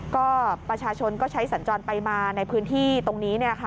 ก็ประชาชนก็ใช้สัญจรไปมาในพื้นที่ตรงนี้